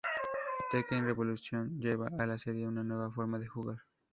Tekken Revolution lleva la serie a una nueva forma de jugar.